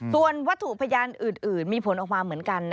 ส่วนวัตถุพยานอื่นมีผลออกมาเหมือนกัน